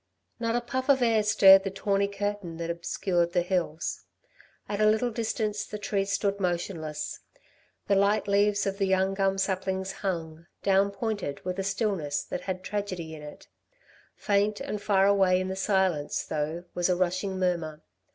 Not a puff of air stirred the tawny curtain that obscured the hills. At a little distance the trees stood motionless. The light leaves of the young gum saplings hung, down pointed, with a stillness that had tragedy in it. Faint and far away in the silence though was a rushing murmur.